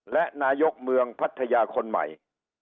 และนายกเมืองพัทยาคนใหม่